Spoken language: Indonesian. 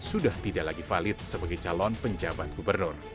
sudah tidak lagi valid sebagai calon penjabat gubernur